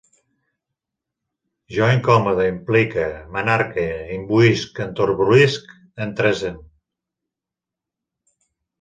Jo incomode, implique, m'enarque, imbuïsc, enterbolisc, entresent